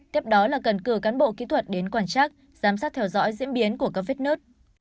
tiếp đó là cần cử cán bộ kỹ thuật đến quan trắc giám sát theo dõi diễn biến của các vết nứt